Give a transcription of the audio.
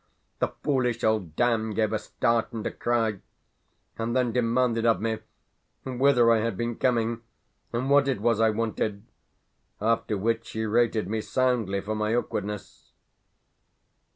The foolish old dame gave a start and a cry, and then demanded of me whither I had been coming, and what it was I wanted; after which she rated me soundly for my awkwardness.